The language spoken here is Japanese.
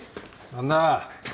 何だ？